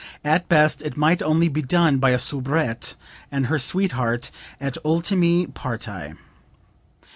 At best it might only be done by a soubrette and her sweetheart at ultime parti."